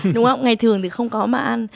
đúng không ngày thường thì không có mà ăn